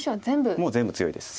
もう全部強いです。